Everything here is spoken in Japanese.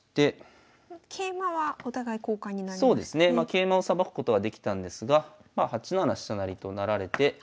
桂馬をさばくことはできたんですが８七飛車成となられて。